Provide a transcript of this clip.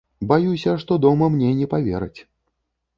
Баюся, што дома мне не павераць.